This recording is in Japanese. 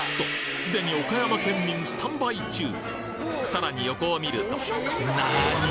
すでに岡山県民スタンバイ中さらに横を見ると何！？